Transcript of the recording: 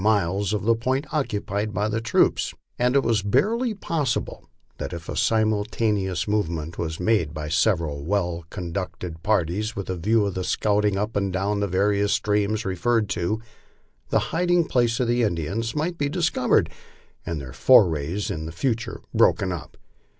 miles of the point occupied by the troops; and it was barely possible that if a simultaneous movement was made by several well conducted parties with a view of scouting up and down the various streams referred to, the hiding place of the Indians might be discovered and their forays in the future broken up.